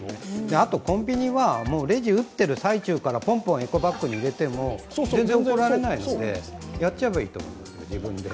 あとコンビニは、レジを打っている最中からポンポン、エコバッグに入れても全然怒らないんで、やっちゃえばいいと思います、自分で。